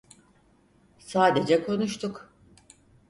Sadece konuştuk.